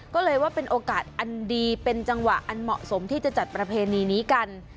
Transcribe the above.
ก็เลยว่าเป็นโอกาสอันดีเป็นจังหวะอันเหมาะสมที่จะจัดประเพณีนี้กัน